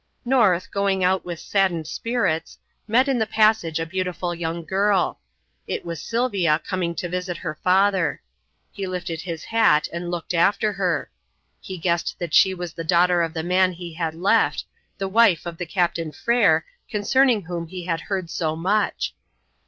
North, going out with saddened spirits, met in the passage a beautiful young girl. It was Sylvia, coming to visit her father. He lifted his hat and looked after her. He guessed that she was the daughter of the man he had left the wife of the Captain Frere concerning whom he had heard so much.